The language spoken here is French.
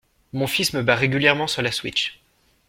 Mon fils me bat régulièrement sur la Switch.